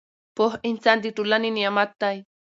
پوه انسان د ټولنې نعمت دی